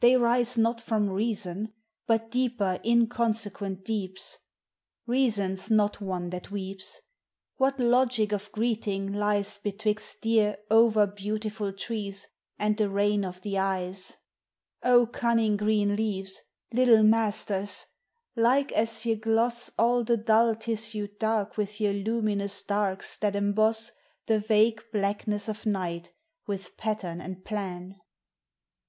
They rise not from reason, but deeper inconse quent deeps. Reason 's not one that weeps. What logic of greeting lies Betwixt dear over beautiful trees and the rain of the eyes ? O cunning green leaves, little masters ! like as ye gloss All the dull tissued dark with your luminous darks that emboss The vague blackness of night with pattern and plan.